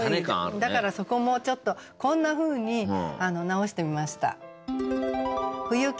だからそこもちょっとこんなふうに直してみました。